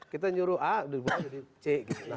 kita nyuruh a di bawah jadi c